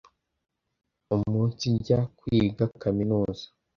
umunsijya kwiga kaminuza,